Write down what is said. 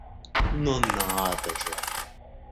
Но надо же!